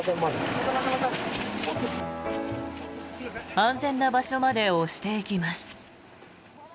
安全な場所まで押していきます。